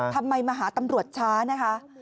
ทำไมมาหาตำรวจช้านะคะ